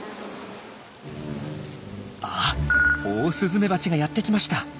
あっオオスズメバチがやって来ました。